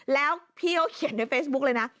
แล้วพี่เขาเขียนในเฟซบุ๊คเลยนะ